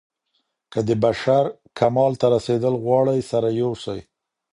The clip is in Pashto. که د بشر کمال ته رسېدل غواړئ سره يو سئ.